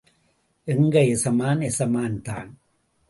எங்க எசமான் எசமான் தான்.